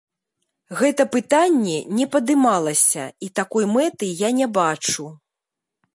Гэта пытанне не падымалася і такой мэты я не бачу.